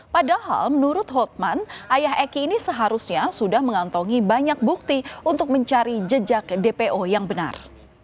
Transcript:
padahal menurut hotman ayah eki ini seharusnya sudah mengantongi banyak bukti untuk mencari jejak dpo yang benar